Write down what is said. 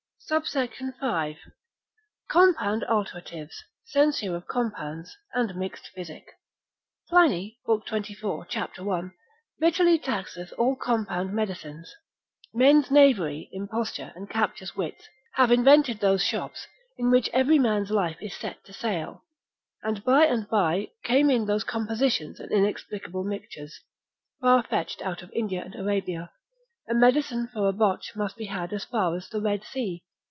SUBSECT. V.—Compound Alteratives; censure of Compounds, and mixed Physic. Pliny, lib. 24. c. 1, bitterly taxeth all compound medicines, Men's knavery, imposture, and captious wits, have invented those shops, in which every man's life is set to sale: and by and by came in those compositions and inexplicable mixtures, far fetched out of India and Arabia; a medicine for a botch must be had as far as the Red Sea.